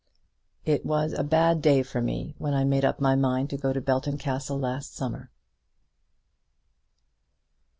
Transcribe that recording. It was a bad day for me when I made up my mind to go to Belton Castle last summer.